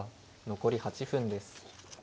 残り８分です。